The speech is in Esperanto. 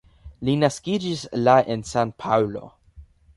Li naskiĝis la en San-Paŭlo.